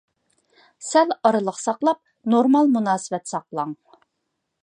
سەل ئارىلىق ساقلاپ، نورمال مۇناسىۋەت ساقلاڭ.